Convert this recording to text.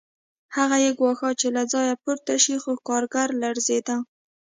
هغه یې ګواښه چې له ځایه پورته شي خو کارګر لړزېده